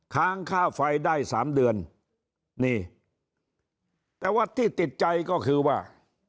ค้างค่าไฟได้สามเดือนนี่แต่ว่าที่ติดใจก็คือว่า